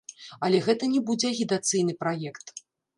Але гэта не будзе агітацыйны праект.